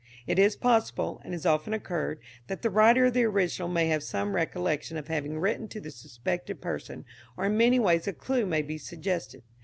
It is possible, and has often occurred, that the writer of the original may have some recollection of having written to the suspected person, or in many ways a clue may be suggested.